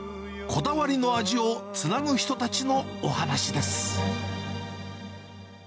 こだわりの味をつなぐ人たちのお話です。